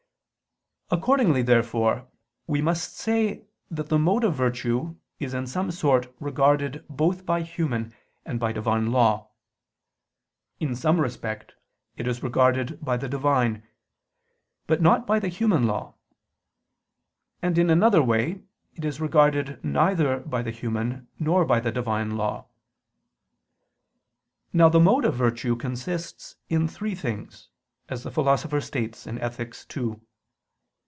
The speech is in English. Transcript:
Accordingly, therefore, we must say that the mode of virtue is in some sort regarded both by human and by Divine law; in some respect it is regarded by the Divine, but not by the human law; and in another way, it is regarded neither by the human nor by the Divine law. Now the mode of virtue consists in three things, as the Philosopher states in Ethic. ii.